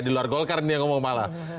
di luar golkar nih yang ngomong malah